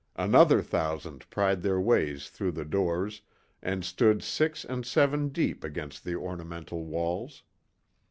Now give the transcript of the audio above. Another thousand pried their ways through the doors and stood six and seven deep against the ornamental walls.